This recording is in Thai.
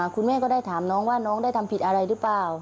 คุณแม่ก็ได้ถามน้องว่าน้องได้ทำผิดอะไรหรือเปล่า